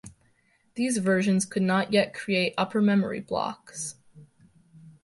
These versions could not yet create Upper Memory Blocks.